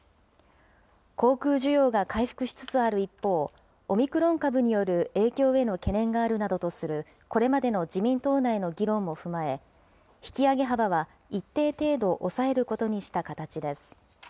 航空需要が回復しつつある一方、オミクロン株による影響への懸念があるなどとするこれまでの自民党内の議論も踏まえ、引き上げ幅は一定程度抑えることにした形です。